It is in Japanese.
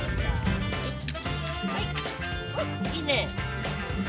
いいね。